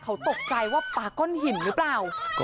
เขาตกใจว่าปลาก้อนหินหรือเปล่า